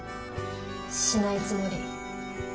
しないつもり。